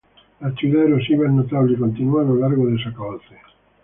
La actividad erosiva es notable y continua a lo largo de su cauce.